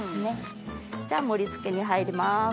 じゃあ盛り付けに入ります。